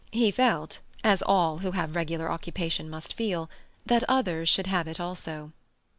He felt, as all who have regular occupation must feel, that others should have it also.